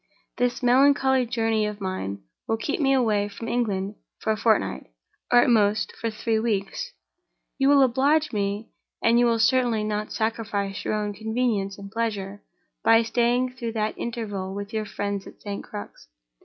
"This melancholy journey of mine will keep me away from England for a fortnight, or, at most, for three weeks. You will oblige me—and you will certainly not sacrifice your own convenience and pleasure—by staying through that interval with your friends at St. Crux.